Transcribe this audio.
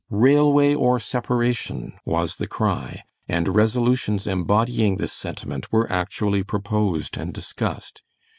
"Railway or separation," was the cry, and resolutions embodying this sentiment were actually proposed and discussed.